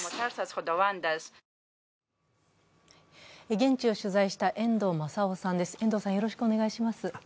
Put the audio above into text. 現地を取材した遠藤正雄さんです。